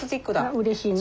うれしいな。